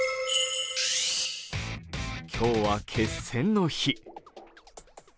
今日は決戦の日。